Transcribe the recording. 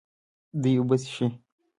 دوی اوبه څښي.